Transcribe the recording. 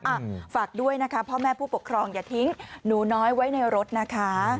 อ่ะฝากด้วยนะคะพ่อแม่ผู้ปกครองอย่าทิ้งหนูน้อยไว้ในรถนะคะ